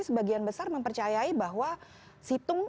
sebagian besar mempercayai bahwa situng